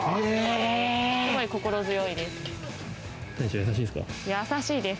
すごい心強いです。